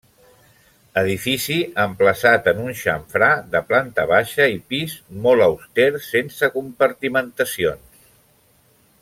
Edifici emplaçat en un xamfrà de planta baixa i pis, molt auster sense compartimentacions.